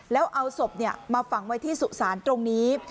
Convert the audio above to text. แล้วเอาศพมาฝังไว้ที่สุสานตรงนี้